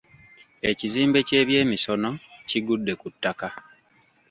Ekizimbe ky’ebyemisono kigudde ku ttaka.